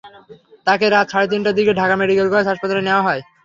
তাঁকে রাত সাড়ে তিনটার দিকে ঢাকা মেডিকেল কলেজ হাসপাতালে নেওয়া হয়।